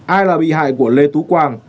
ai là bị hại của lê tú quang